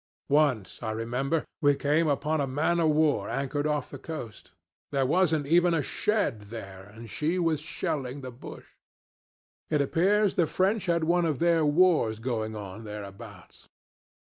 Once, I remember, we came upon a man of war anchored off the coast. There wasn't even a shed there, and she was shelling the bush. It appears the French had one of their wars going on thereabouts.